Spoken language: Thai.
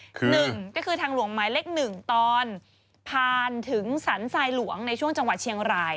หนึ่งก็คือทางหลวงหมายเลขหนึ่งตอนผ่านถึงสรรทรายหลวงในช่วงจังหวัดเชียงราย